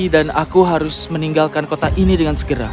dan aku harus meninggalkan kota ini dengan segera